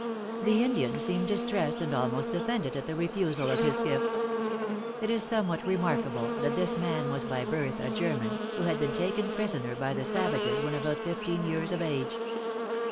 The Indian seemed distressed and almost offended at the refusal of his gift. It is somewhat remarkable that this man was by birth a German, who had been taken prisoner by the savages when about fifteen years of age.